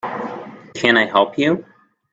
Can I help you?